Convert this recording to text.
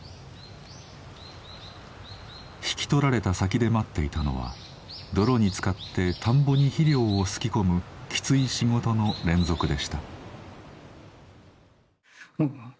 引き取られた先で待っていたのは泥につかって田んぼに肥料をすき込むきつい仕事の連続でした。